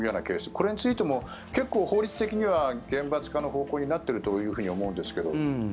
これについても結構法律的には厳罰化の方向になっていると思うんですけど。